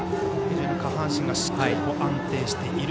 下半身がしっかりと安定している。